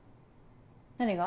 何が？